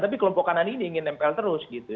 tapi kelompok kanan ini ingin nempel terus gitu